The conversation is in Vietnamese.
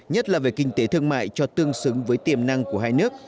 nhất là về kinh tế thương mại cho tương xứng với tiềm năng của hai nước